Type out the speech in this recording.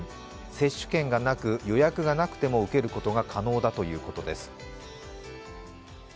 接種券がなく予約がなくても受けることが可能だということです。